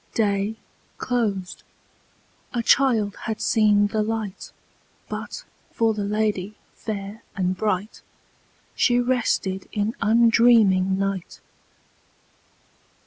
Day closed; a child had seen the light; But, for the lady fair and bright, She rested in undreaming night.